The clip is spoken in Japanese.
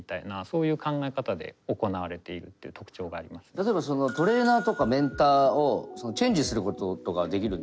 例えばそのトレーナーとかメンターをチェンジすることとかはできるんですか？